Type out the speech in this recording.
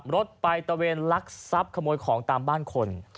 รถไปตะเวนลักทรัพย์ขโมยของตามบ้านคน